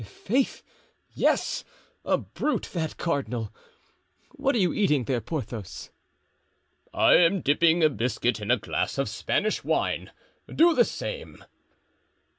"I'faith, yes! a brute, that cardinal. What are you eating there, Porthos?" "I am dipping a biscuit in a glass of Spanish wine; do the same."